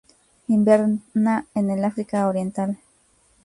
Inverna en el África oriental.